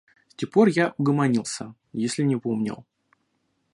С тех пор я угомонился, если не поумнел.